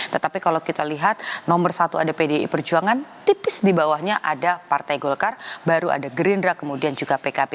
tetapi kalau kita lihat nomor satu ada pdi perjuangan tipis di bawahnya ada partai golkar baru ada gerindra kemudian juga pkb